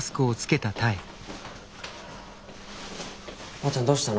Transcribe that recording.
ばあちゃんどうしたの？